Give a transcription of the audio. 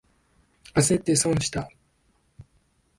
あせって損した。